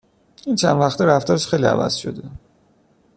این چند وقته رفتارش خیلی عوض شده